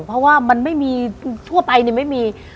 เพราะว่ามันไม่มีทั่วไปไม่มี